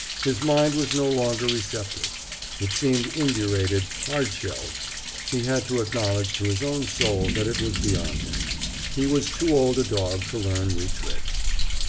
His mind was no longer receptive. It seemed indurated, hard shelled. He had to acknowledge to his own soul that it was beyond him. He was too old a dog to learn new tricks.